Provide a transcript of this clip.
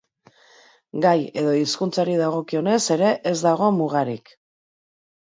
Gai edo hizkuntzari dagokionez ere ez dago mugarik.